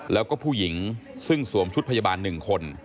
แล้วก็ผู้หญิงซึ่งสวมชุดพยาบาล๑คน